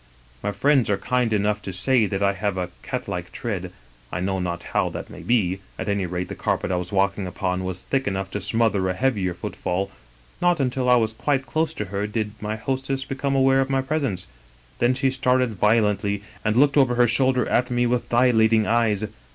" My friends are kind enough to say that I have a cat like tread ; I know not how that may be ; at any rate the carpet I was walking upon was thick enough to smother a heavier footfall: not until I was quite close to her did my hostess become aware of my presence. Then she started violently and looked over her shoulder at me with dilating eyes.